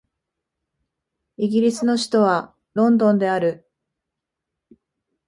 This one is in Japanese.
イギリスの首都はロンドンである